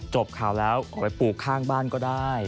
จบข่าวแล้วออกไปปลูกข้างบ้านก็ได้